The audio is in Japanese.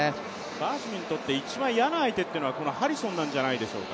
バーシムにとって一番嫌な相手というのはこのハリソンなんじゃないでしょうか。